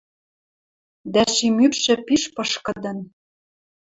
Дӓ шим ӱпшӹ пиш пышкыдын